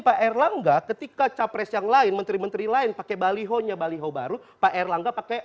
pak erlangga ketika capres yang lain menteri menteri lain pakai balihonya baliho baru pak erlangga pakai